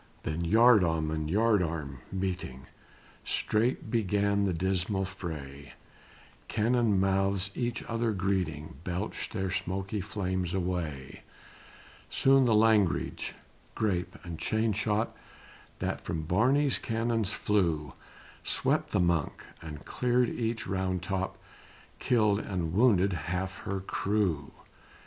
Then yardarm and yardarm meeting, Strait began the dismal fray, Cannon mouths, each other greeting, Belched their smoky flames away: Soon the langrage, grape and chain shot, That from Barney's cannons flew, Swept the Monk, and cleared each round top, Killed and wounded half her crew.